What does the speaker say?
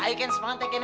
ayo ken semangat ya ken